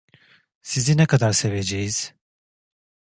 Sizi ne kadar seveceğiz…